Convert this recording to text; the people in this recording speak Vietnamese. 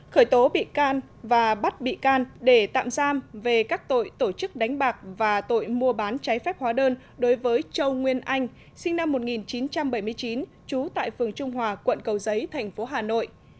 khởi tố bị can và bắt bị can để tạm giam về các tội tổ chức đánh bạc và tội mua bán trái phép hóa đơn đối với châu nguyên anh sinh năm một nghìn chín trăm bảy mươi chín trú tại phường trung hòa quận cầu giấy thành phố hà nội